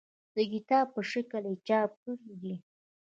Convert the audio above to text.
د کتاب په شکل یې چاپ کړي دي.